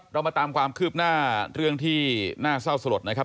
เรามาตามความคืบหน้าเรื่องที่น่าเศร้าสลดนะครับ